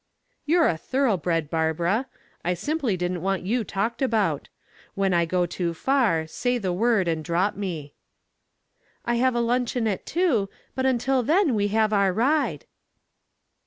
"You're a thoroughbred, Barbara. I simply didn't want you talked about. When I go too far, say the word and drop me." "I have a luncheon at two, but until then we have our ride."